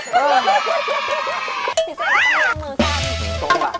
สุดท้าย